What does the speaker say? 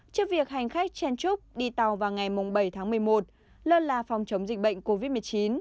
trước việc hành khách chen trúc đi tàu vào ngày bảy tháng một mươi một lơ là phòng chống dịch bệnh covid một mươi chín